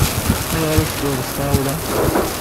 Ayɣer tettedduḍ s tɣawla?